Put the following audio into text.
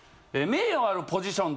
名誉あるポジション。